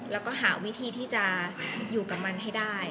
แล้วก็หาวิธีที่จะอยู่กับมันให้ได้